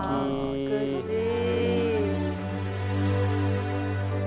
美しい。